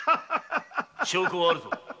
・証拠はあるぞ。